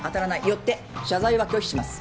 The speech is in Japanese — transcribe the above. よって謝罪は拒否します。